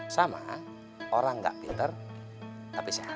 sama orang nggak pinter tapi sehat